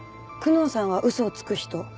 久能さんは「嘘をつく人」